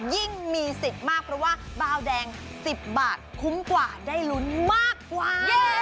ยิ่งมีสิทธิ์มากเผาแรง๑๐บาทคุ้มกว่าได้รุนมากกว่า